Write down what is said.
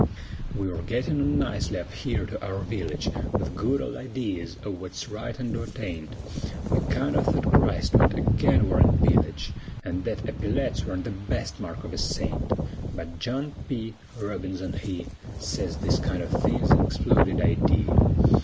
We were gittin' on nicely up here to our village, With good old idees o' wut's right an' wut aint, We kind o' thought Christ went agin war an' pillage, An' thet eppyletts worn't the best mark of a saint; But John P. Robinson he Sez this kind o' thing's an exploded idee.